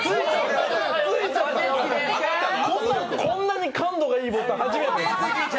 こんなに感度がいいボタン初めて。